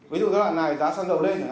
ví dụ giai đoạn này giá sang đầu lên